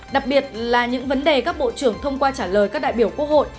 đặc biệt là những vấn đề các bộ trưởng thông qua trả lời các đại biểu quốc hội